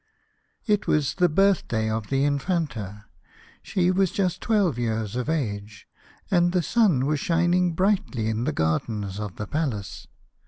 T was the birthday of the Infanta. She was just twelve years of agre, and the sun was o shining brightly in the gardens of the palace.